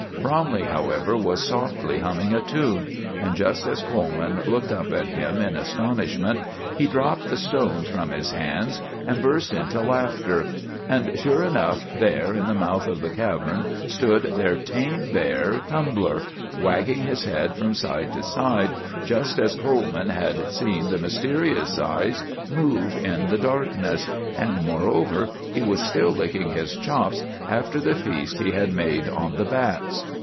Bromley, however, was softly humming a tune, and just as Coleman looked up at him in astonishment he dropped the stones from his hands and burst into laughter; and sure enough, there in the mouth of the cavern stood their tame bear, Tumbler, wagging his head from side to side just as Coleman had seen the mysterious eyes move in the darkness, and, moreover, he was still licking his chops after the feast he had made on the bats.